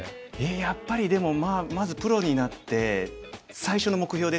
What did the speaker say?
やっぱりでもまずプロになって最初の目標ですよね。